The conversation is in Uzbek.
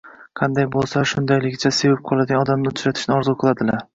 Qanday bo‘lsalar, shundayligicha sevib qoladigan odamni uchratishni orzu qiladilar.